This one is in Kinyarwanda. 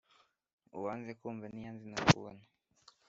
uwanze kumva ntiyanze no kubona